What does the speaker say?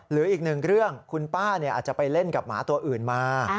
หรืออีกหนึ่งเรื่องคุณป้าอาจจะไปเล่นกับหมาตัวอื่นมา